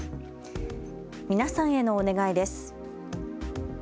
皆さんへのお願いです。